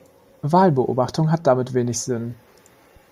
Wahlbeobachtung hat damit wenig Sinn.